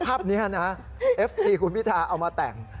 ภาพนี้นะเอฟซีคุณพิธาเอามาแต่ง